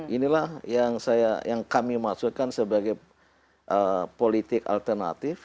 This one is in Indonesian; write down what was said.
inilah yang kami maksudkan sebagai politik alternatif